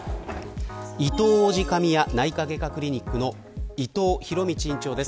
いとう王子神谷内科外科クリニックの伊藤博道委員長です。